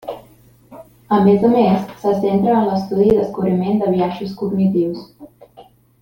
A més a més, se centra en l'estudi i descobriment de biaixos cognitius.